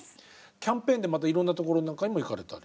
キャンペーンでまたいろんなところへも行かれたり？